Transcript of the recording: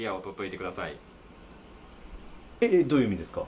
どういう意味ですか？